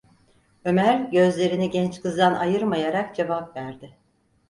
Ömer gözlerini genç kızdan ayırmayarak cevap verdi: